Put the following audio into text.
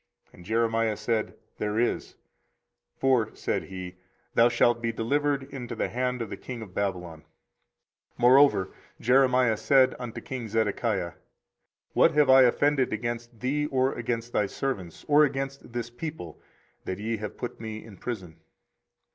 And Jeremiah said, There is: for, said he, thou shalt be delivered into the hand of the king of Babylon. 24:037:018 Moreover Jeremiah said unto king Zedekiah, What have I offended against thee, or against thy servants, or against this people, that ye have put me in prison?